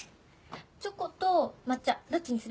チョコと抹茶どっちにする？